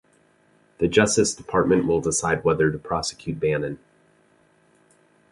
The Justice Department will decide whether to prosecute Bannon.